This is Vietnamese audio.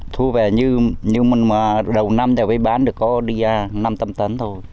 thu về như đầu năm thì mới bán được có đi năm tâm tấn thôi